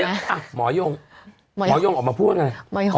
อ๋ออหมอยงหมอยงออกมาพูดอะไร